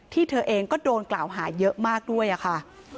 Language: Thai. เธอเองก็โดนกล่าวหาเยอะมากด้วยค่ะ